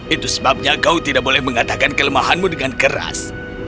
itu sebabnya kau tidak boleh mengatakan kelemahanmu dengan keras